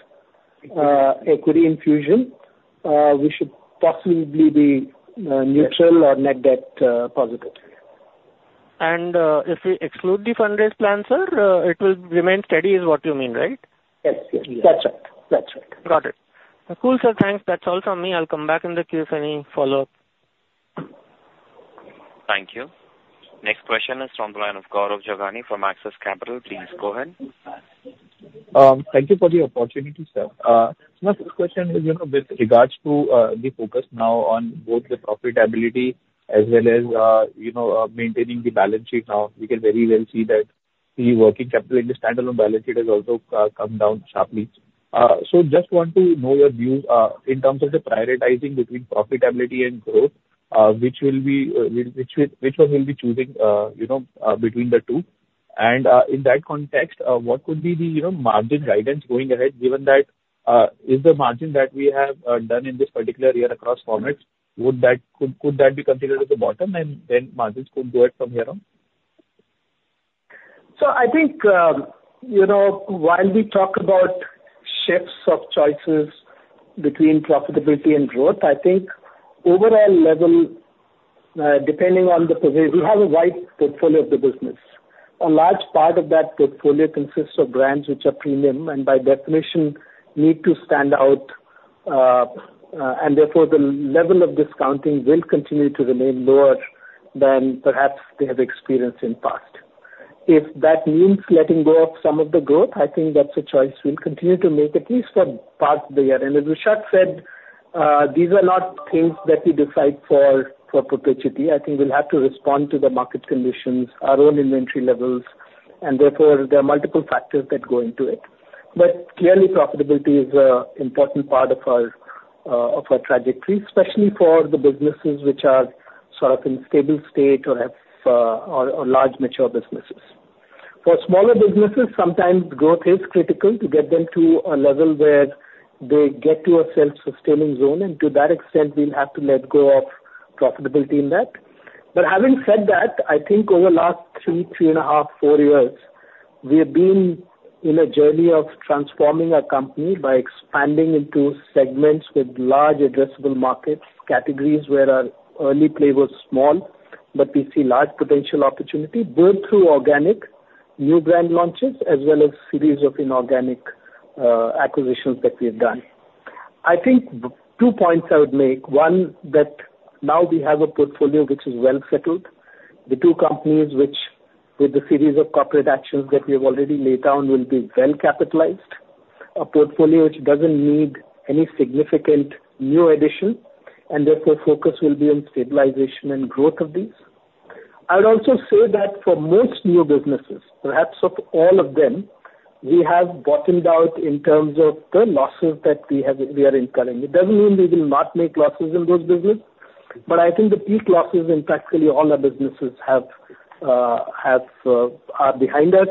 equity infusion, we should possibly be, neutral or net debt, positive. If we exclude the fundraise plan, sir, it will remain steady, is what you mean, right? Yes. Yes, that's right. That's right. Got it. Cool, sir. Thanks. That's all from me. I'll come back in the queue if any follow-up. Thank you. Next question is from the line of Gaurav Jogani from Axis Capital. Please go ahead. Thank you for the opportunity, sir. My first question is, you know, with regards to the focus now on both the profitability as well as, you know, maintaining the balance sheet. Now, we can very well see that the working capital in the standalone balance sheet has also come down sharply. So just want to know your views in terms of the prioritizing between profitability and growth, which will be, which one we'll be choosing, you know, between the two? And in that context, what could be the, you know, margin guidance going ahead, given that is the margin that we have done in this particular year across formats, would that could, could that be considered as the bottom, and then margins could grow it from here on? So I think, you know, while we talk about shifts of choices between profitability and growth, I think overall level, depending on the position, we have a wide portfolio of the business. A large part of that portfolio consists of brands which are premium, and by definition need to stand out, and therefore, the level of discounting will continue to remain lower than perhaps they have experienced in past. If that means letting go of some of the growth, I think that's a choice we'll continue to make, at least for part of the year. And as Vishak said, these are not things that we decide for perpetuity. I think we'll have to respond to the market conditions, our own inventory levels, and therefore, there are multiple factors that go into it. But clearly, profitability is a important part of our, of our trajectory, especially for the businesses which are sort of in stable state or have, or, or large mature businesses. For smaller businesses, sometimes growth is critical to get them to a level where they get to a self-sustaining zone, and to that extent, we'll have to let go of profitability in that. But having said that, I think over the last 3, 3.5, 4 years, we have been in a journey of transforming our company by expanding into segments with large addressable markets, categories where our early play was small, but we see large potential opportunity, both through organic, new brand launches, as well as series of inorganic, acquisitions that we have done. I think two points I would make. One, that now we have a portfolio which is well settled. The two companies which, with the series of corporate actions that we have already laid down, will be well capitalized. A portfolio which doesn't need any significant new addition, and therefore, focus will be on stabilization and growth of these. I would also say that for most new businesses, perhaps of all of them, we have bottomed out in terms of the losses that we have, we are incurring. It doesn't mean we will not make losses in those business, but I think the peak losses in practically all our businesses have, have, are behind us,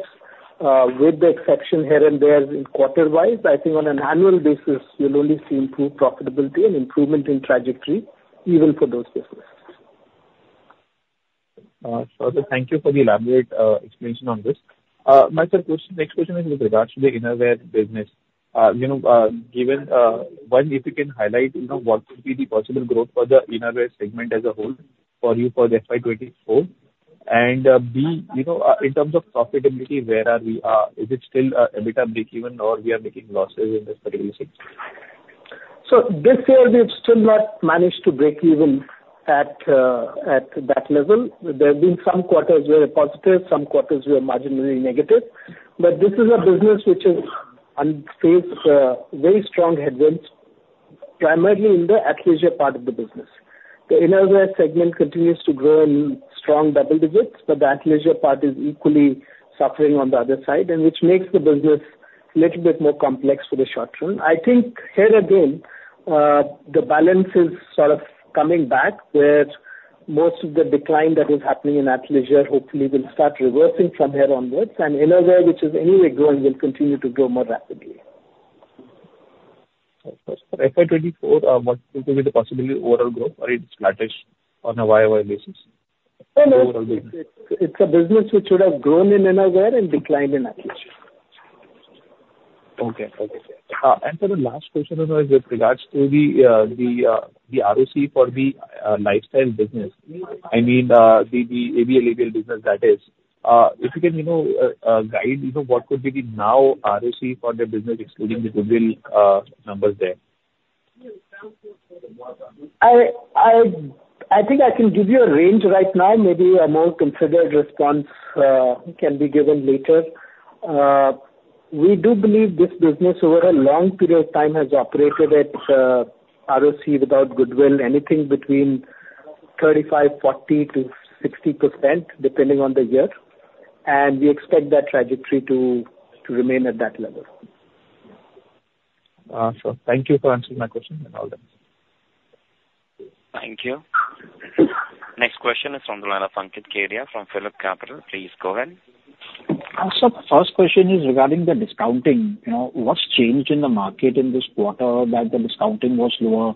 with the exception here and there in quarter-wise. I think on an annual basis, we'll only see improved profitability and improvement in trajectory, even for those businesses. So thank you for the elaborate explanation on this. My third question, next question is with regards to the Innerwear business. You know, given, one, if you can highlight, you know, what could be the possible growth for the Innerwear segment as a whole for you for the FY 2024? And, b, you know, in terms of profitability, where are we, is it still, a bit of breakeven or we are making losses in this particular segment? So this year we've still not managed to break even at that level. There have been some quarters were positive, some quarters were marginally negative. But this is a business which has faced very strong headwinds, primarily in the athleisure part of the business. The Innerwear segment continues to grow in strong double digits, but the athleisure part is equally suffering on the other side, and which makes the business little bit more complex for the short term. I think here again, the balance is sort of coming back, where most of the decline that is happening in athleisure hopefully will start reversing from here onwards, and innerwear, which is anyway growing, will continue to grow more rapidly. For FY 2024, what will be the possible overall growth or it's flattish on a Y-o-Y basis? No, no. It's a business which would have grown in innerwear and declined in athleisure. Okay. Okay. And so the last question is with regards to the ROC for the Lifestyle Business. I mean, the ABLAB business that is. If you can, you know, guide, you know, what could be the now ROC for the business, excluding the goodwill numbers there? I think I can give you a range right now. Maybe a more considered response can be given later. We do believe this business over a long period of time has operated at ROCE without goodwill, anything between 35%,40% to 60%, depending on the year, and we expect that trajectory to remain at that level. Thank you for answering my question and all that. Thank you. Next question is from the line of Ankit Kedia from PhillipCapital. Please go ahead. So first question is regarding the discounting. What's changed in the market in this quarter that the discounting was lower?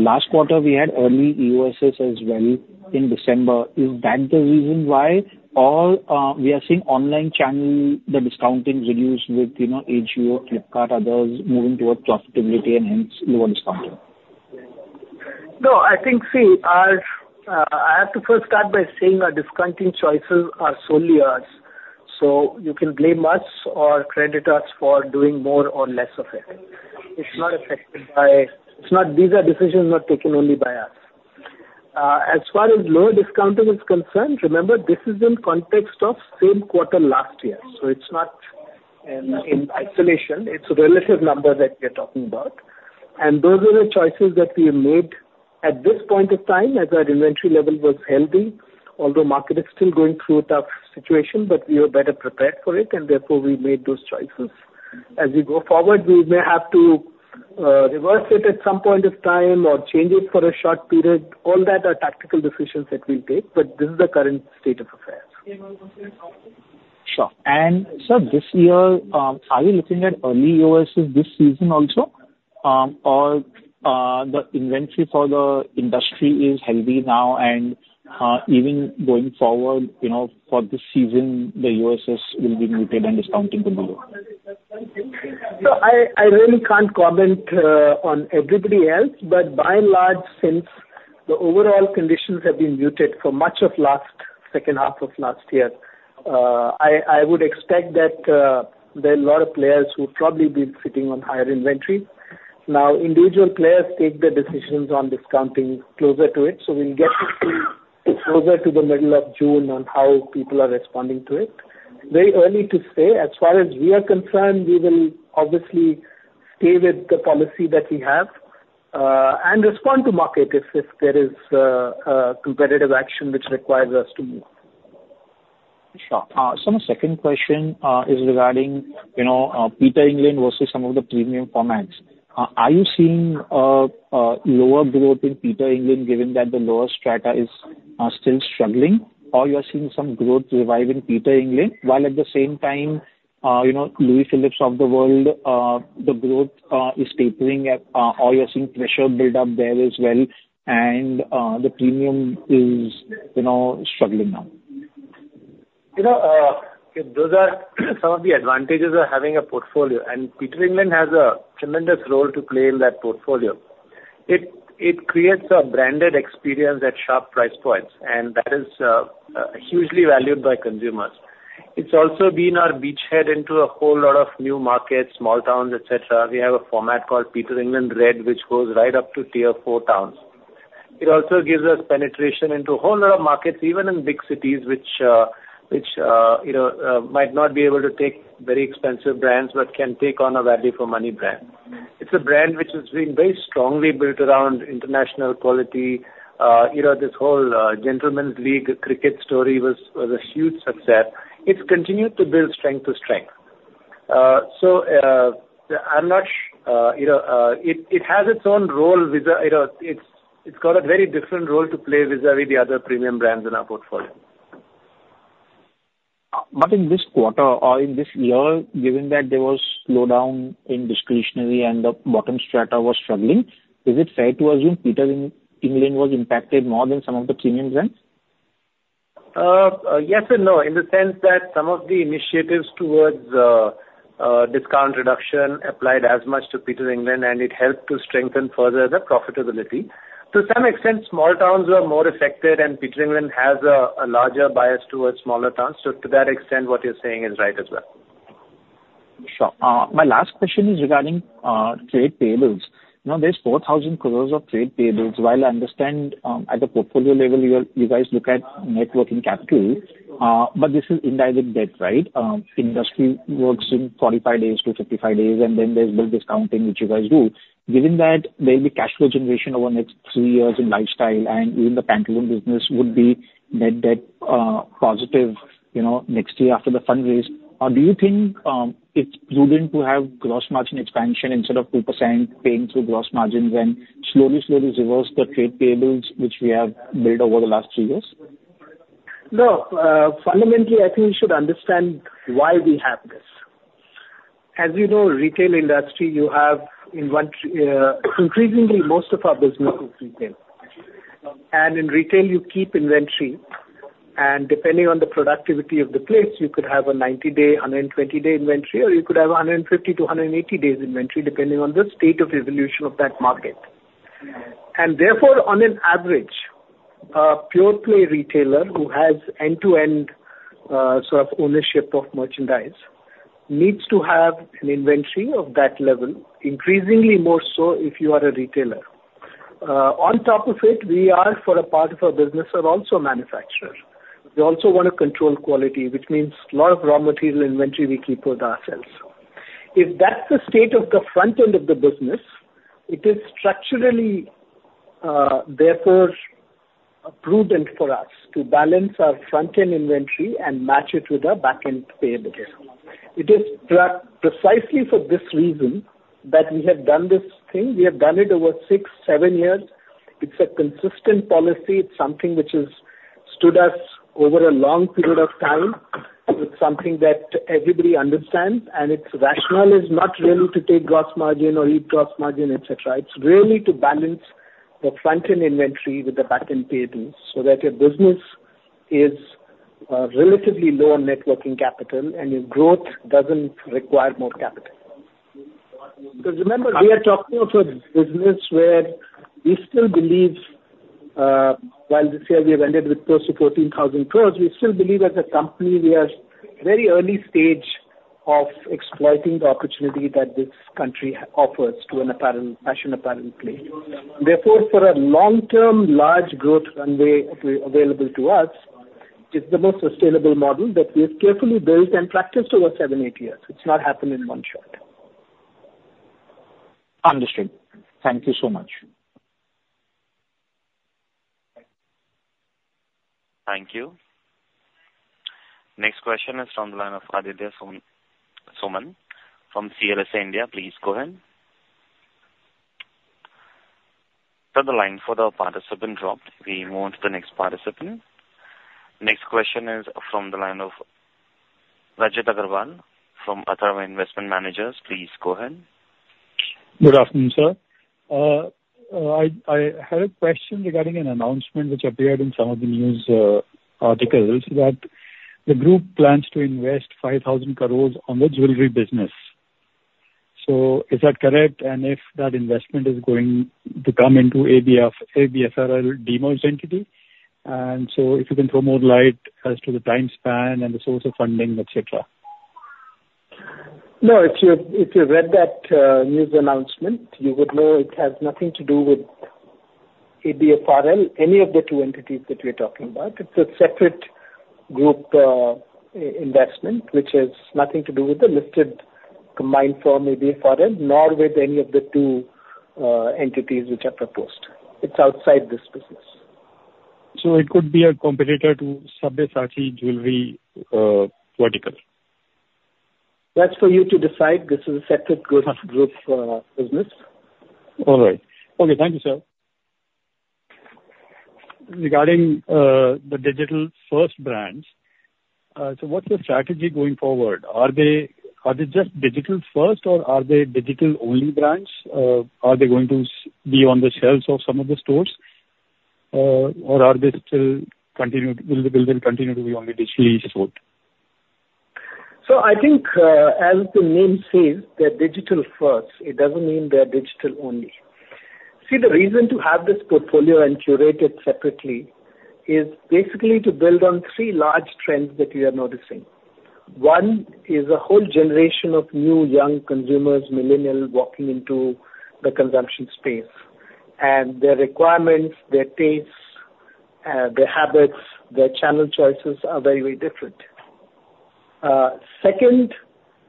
Last quarter, we had early EOSS as well in December. Is that the reason why all, we are seeing online channel, the discounting reduced with, you know, AJIO, Flipkart, others moving towards profitability and hence lower discounting? No, I think, see, I, I have to first start by saying our discounting choices are solely ours, so you can blame us or credit us for doing more or less of it. It's not affected by. It's not these are decisions not taken only by us. As far as lower discounting is concerned, remember, this is in context of same quarter last year, so it's not... and in isolation, it's a relative number that we're talking about. And those are the choices that we have made at this point of time, as our inventory level was healthy, although market is still going through a tough situation, but we are better prepared for it, and therefore, we made those choices. As we go forward, we may have to reverse it at some point of time or change it for a short period. All that are tactical decisions that we'll take, but this is the current state of affairs. Sure. This year, are you looking at early EOSS this season also? Or, the inventory for the industry is healthy now, and even going forward, you know, for this season, the EOSS will be muted and discounting will be more. So I really can't comment on everybody else, but by and large, since the overall conditions have been muted for much of last, second half of last year, I would expect that there are a lot of players who probably been sitting on higher inventory. Now, individual players take their decisions on discounting closer to it, so we'll get it closer to the middle of June on how people are responding to it. Very early to say. As far as we are concerned, we will obviously stay with the policy that we have, and respond to market if there is a competitive action which requires us to move. Sure. So my second question is regarding, you know, Peter England versus some of the premium formats. Are you seeing a lower growth in Peter England, given that the lower strata is still struggling? Or you are seeing some growth revive in Peter England, while at the same time, you know, Louis Philippe of the world, the growth is tapering at, or you're seeing pressure build up there as well, and the premium is, you know, struggling now? You know, those are some of the advantages of having a portfolio, and Peter England has a tremendous role to play in that portfolio. It, it creates a branded experience at sharp price points, and that is, hugely valued by consumers. It's also been our beachhead into a whole lot of new markets, small towns, et cetera. We have a format called Peter England Red, which goes right up to Tier four towns. It also gives us penetration into a whole lot of markets, even in big cities, which, which, you know, might not be able to take very expensive brands, but can take on a value for money brand. It's a brand which has been very strongly built around international quality. You know, this whole, Gentlemen's League cricket story was, was a huge success. It's continued to build strength to strength. So, you know, it has its own role with the, you know, it's got a very different role to play vis-à-vis the other premium brands in our portfolio. But in this quarter or in this year, given that there was slowdown in discretionary and the bottom strata was struggling, is it fair to assume Peter England was impacted more than some of the premium brands? Yes and no, in the sense that some of the initiatives towards discount reduction applied as much to Peter England, and it helped to strengthen further the profitability. To some extent, small towns were more affected, and Peter England has a larger bias towards smaller towns. So to that extent, what you're saying is right as well. Sure. My last question is regarding trade payables. Now, there's 4,000 crore of trade payables. While I understand, at the portfolio level, you guys look at net working capital, but this is indirect debt, right? Industry works in 45 days-55 days, and then there's bill discounting, which you guys do. Given that there'll be cash flow generation over the next three years in lifestyle and even the Pantaloons business would be net debt positive, you know, next year after the fundraise. Do you think, it's prudent to have gross margin expansion instead of 2% paying through gross margins and slowly, slowly reverse the trade payables, which we have built over the last three years? No, fundamentally, I think you should understand why we have this. As you know, retail industry, increasingly, most of our business is retail. And in retail, you keep inventory, and depending on the productivity of the place, you could have a 90-day, 120-day inventory, or you could have a 150 days-180 days inventory, depending on the state of evolution of that market. And therefore, on an average, a pure play retailer who has end-to-end, sort of ownership of merchandise, needs to have an inventory of that level, increasingly more so if you are a retailer. On top of it, we are, for a part of our business, are also a manufacturer. We also want to control quality, which means a lot of raw material inventory we keep with ourselves. If that's the state of the front end of the business, it is structurally, therefore, prudent for us to balance our front-end inventory and match it with our back-end payables. It is precisely for this reason that we have done this thing. We have done it over six, seven years. It's a consistent policy. It's something which has stood us over a long period of time. It's something that everybody understands, and its rationale is not really to take gross margin or lead gross margin, et cetera. It's really to balance the front-end inventory with the back-end payables, so that your business is relatively low on Net Working Capital, and your growth doesn't require more capital. Because remember, we are talking of a business where we still believe, while this year we have ended with close to 14,000 crore, we still believe as a company, we are very early stage of exploiting the opportunity that this country offers to an apparel, fashion apparel play. Therefore, for a long-term, large growth runway available to us, it's the most sustainable model that we've carefully built and practiced over seven, eight years. It's not happened in one shot. Understood. Thank you so much. Thank you. Next question is from the line of Aditya Suman from CLSA India. Please go ahead. So the line for the participant dropped. We move on to the next participant. Next question is from the line of Rajit Aggarwal from Nilgiri Investment Managers. Please go ahead. Good afternoon, sir. I had a question regarding an announcement which appeared in some of the news articles, that the group plans to invest 5,000 crore on the jewelry business. So is that correct? And if that investment is going to come into ABF, ABFRL demerged entity, and so if you can throw more light as to the time span and the source of funding, etc. No, if you read that news announcement, you would know it has nothing to do with ABFRL, any of the two entities that we're talking about. It's a separate group, investment, which has nothing to do with the listed combined firm, ABFRL, nor with any of the two entities which are proposed. It's outside this business. So it could be a competitor to Sabyasachi Jewelry vertical? That's for you to decide. This is a separate group, group for business. All right. Okay, thank you, sir. Regarding the Digital First Brands, so what's the strategy going forward? Are they just digital first, or are they digital-only brands? Are they going to be on the shelves of some of the stores? Or will they continue to be only digitally sold? So I think, as the name says, they're digital first. It doesn't mean they're digital only. See, the reason to have this portfolio and curate it separately is basically to build on three large trends that we are noticing. One is a whole generation of new young consumers, millennials, walking into the consumption space, and their requirements, their tastes, their habits, their channel choices are very, very different. Second,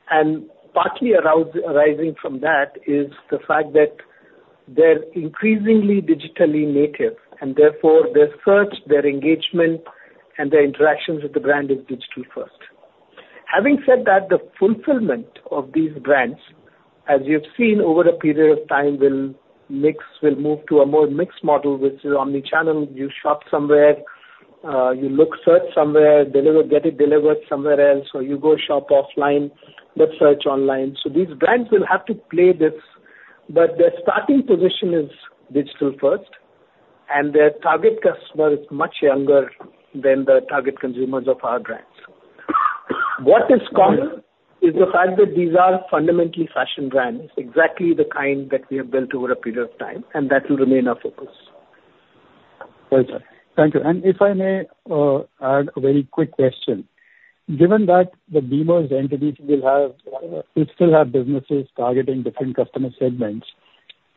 and partly arising from that, is the fact that they're increasingly digitally native, and therefore, their search, their engagement, and their interactions with the brand is Digital First. Having said that, the fulfillment of these brands, as you've seen over a period of time, will mix, will move to a more mixed model, which is omni-channel. You shop somewhere, you look, search somewhere, get it delivered somewhere else, or you go shop offline, but search online. So these brands will have to play this, but their starting position is Digital First, and their target customer is much younger than the target consumers of our brands. What is common is the fact that these are fundamentally fashion brands, exactly the kind that we have built over a period of time, and that will remain our focus. Right. Thank you. And if I may, add a very quick question. Given that the demerged entities will have, will still have businesses targeting different customer segments,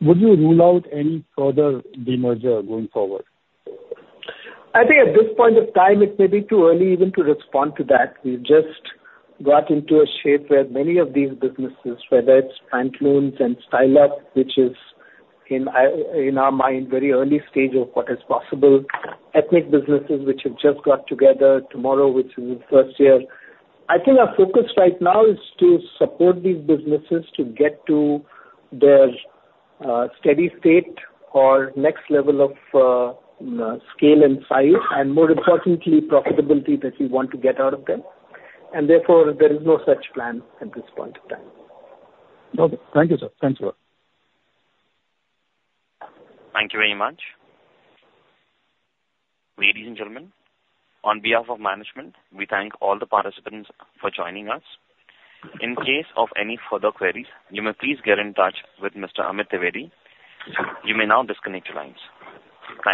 would you rule out any further demerger going forward? I think at this point of time, it may be too early even to respond to that. We've just got into a shape where many of these businesses, whether it's Pantaloons and Style Up, which is in our mind very early stage of what is possible, ethnic businesses which have just got together TMRW, which is the first year. I think our focus right now is to support these businesses to get to their steady state or next level of scale and size, and more importantly, profitability that we want to get out of them. And therefore, there is no such plan at this point in time. Okay. Thank you, sir. Thanks a lot. Thank you very much. Ladies and gentlemen, on behalf of management, we thank all the participants for joining us. In case of any further queries, you may please get in touch with Mr. Amit Dwivedi. You may now disconnect your lines. Thank you.